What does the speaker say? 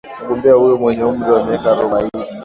Mgombea huyo mwenye umri wa miaka arobaini